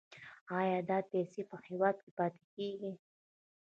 آیا دا پیسې په هیواد کې پاتې کیږي؟